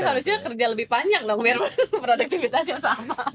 berarti harusnya kerja lebih panjang dong biar produktivitasnya sama